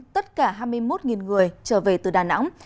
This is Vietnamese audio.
tất cả hai mươi một người trở về từ đà nẵng